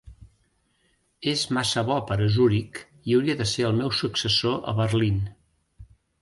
És massa bo per a Zurich i hauria de ser el meu successor a Berlin.